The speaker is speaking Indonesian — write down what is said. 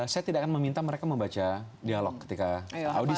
saya tidak akan meminta mereka membaca dialog ketika audisi